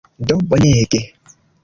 Do bonege!